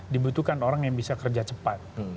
dibutuhkan orang yang bisa kerja cepat